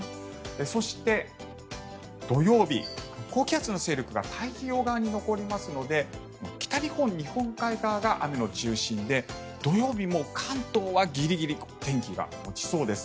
そして土曜日、高気圧の勢力が太平洋側に残りますので北日本日本海側が雨の中心で土曜日も関東はギリギリ天気が持ちそうです。